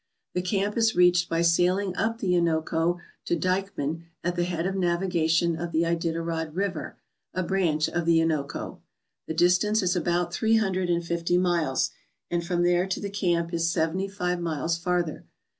The camp is reached by sailing up the Innoko to Dykeman at the head of navigation of the Iditarod River, a branch of the Innoko. The distance is about three hundred and fifty miles, and from there to the camp is seventy five miles farther.